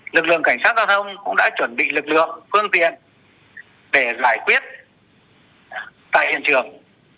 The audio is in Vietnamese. lực lượng cảnh sát giao thông cũng đã chuẩn bị lực lượng phương tiện để giải quyết tại hiện trường